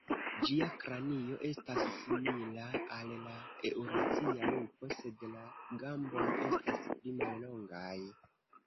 Ĝia kranio estas simila al la eŭrazia lupo, sed la gamboj estas pli mallongaj.